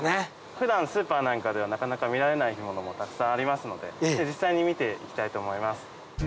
普段スーパーなんかではなかなか見られない干物もたくさんありますので実際に見て行きたいと思います。